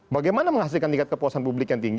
bagaimana menghasilkan tingkat kepuasan publik yang tinggi